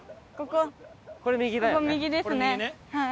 ここ右ですねはい。